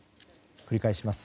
繰り返します。